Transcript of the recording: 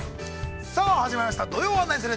さあ始まりました、「土曜はナニする！？」。